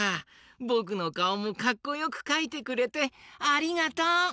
ぼくのかおもかっこよくかいてくれてありがとう！